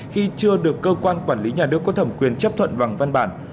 khi chưa được cơ quan quản lý nhà nước có thẩm quyền chấp thuận bằng văn bản